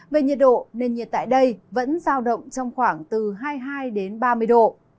về nhiệt độ nền nhiệt tại đây vẫn giao động trong khoảng từ hai mươi hai đến ba mươi độ